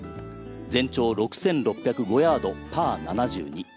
全長６６０５ヤード、パー７２。